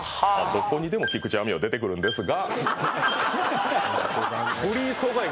どこにでも菊地亜美は出てくるんですがホントだね